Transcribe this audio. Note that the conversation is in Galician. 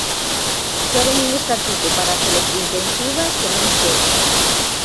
Queren un estatuto para as electrointensivas que non chega.